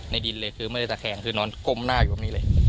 ดินเลยคือไม่ได้ตะแคงคือนอนก้มหน้าอยู่ตรงนี้เลย